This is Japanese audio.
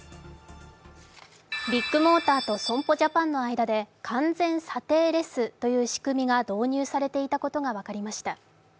ビッグモーターと損保ジャパンの間で完全査定レスという仕組みが導入されていたことが分かりました。